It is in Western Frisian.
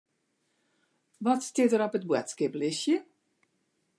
Wat stiet der op it boadskiplistke?